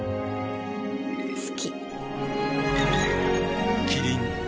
好き。